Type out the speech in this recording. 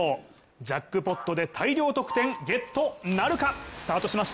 ジャックポットで大量得点ゲットなるか？